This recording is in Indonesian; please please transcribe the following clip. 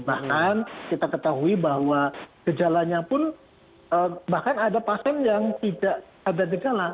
bahkan kita ketahui bahwa gejalanya pun bahkan ada pasien yang tidak ada gejala